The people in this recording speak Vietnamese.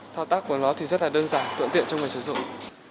thao tác của nó thì rất là đơn giản thuận tiện cho người sử dụng